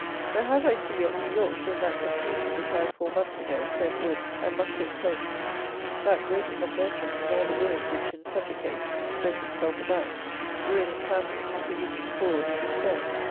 There has, I see, at New York, been that confusion which I, four months ago, said would and must take place; that breaking of merchants and all the ruin which, in such a case, spreads itself about, ruining families and producing fraud and despair.